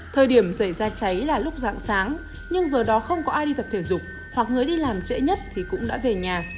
thời điểm xảy ra cháy là lúc dạng sáng nhưng giờ đó không có ai đi tập thể dục hoặc người đi làm trễ nhất thì cũng đã về nhà